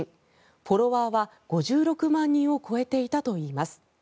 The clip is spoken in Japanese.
フォロワーは５６万人を超えていたといいます。